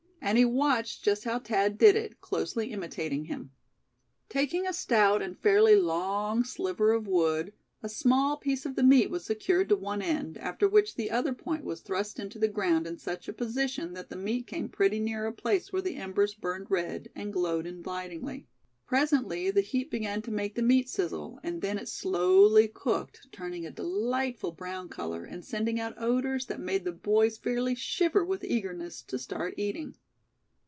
And he watched just how Thad did it, closely imitating him. Taking a stout and fairly long sliver of wood, a small piece of the meat was secured to one end, after which the other point was thrust into the ground in such a position that the meat came pretty near a place where the embers burned red, and glowed invitingly. Presently the heat began to make the meat sizzle, and then it slowly cooked, turning a delightful brown color, and sending out odors that made the boys fairly shiver with eagerness to start eating.